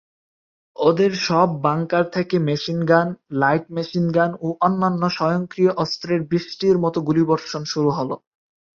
ওদের সব বাংকার থেকে মেশিনগান, লাইট মেশিনগান ও অন্যান্য স্বয়ংক্রিয় অস্ত্রের বৃষ্টির মতো গুলিবর্ষণ শুরু হলো।